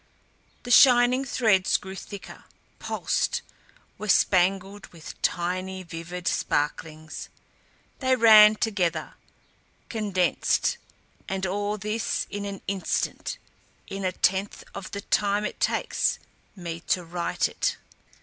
The shining threads grew thicker, pulsed, were spangled with tiny vivid sparklings. They ran together, condensed and all this in an instant, in a tenth of the time it takes me to write it.